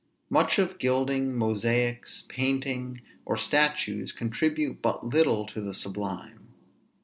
Much of gilding, mosaics, painting, or statues, contribute but little to the sublime.